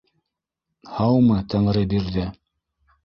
Һаумы, Тәңребирҙе!